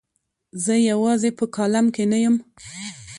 زه یوازې په کالم کې نه یم.